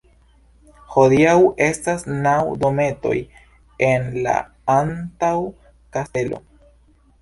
Hodiaŭ estas naŭ dometoj en la antaŭ-kastelo.